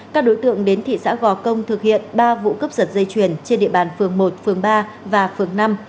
các đối tượng đến thị xã gò công thực hiện ba vụ cấp giật dây chuyền trên địa bàn phường một phường ba và phường năm